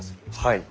はい。